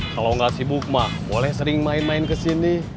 kalau nggak sibuk mah boleh sering main main ke sini